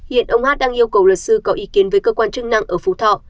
hiện ông hát đang yêu cầu luật sư có ý kiến với cơ quan chức năng ở phú thọ